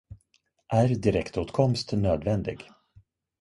Är direktåtkomst nödvändig?